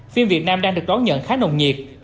phim việt nam đang được đón nhận khá nồng nhiệt